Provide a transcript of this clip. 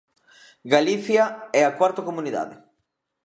Galicia é a cuarta comunidade.